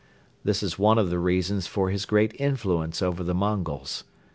This is one of the reasons for his great influence over the Mongols.